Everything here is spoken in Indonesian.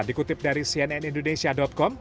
dikutip dari cnn indonesia com